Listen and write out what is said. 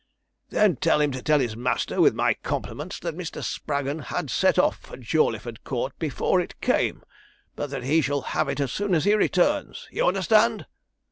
'Then tell him to tell his master, with my compliments, that Mr. Spraggon had set off for Jawleyford Court before it came, but that he shall have it as soon as he returns you understand?'